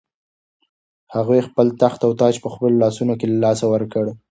هغوی خپل تخت او تاج په خپلو لاسونو له لاسه ورکړ.